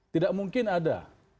tidak mungkin ada